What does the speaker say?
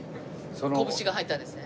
拳が入ったんですね。